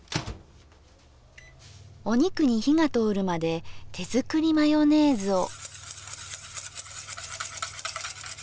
お肉に火が通るまで手作りマヨネーズを。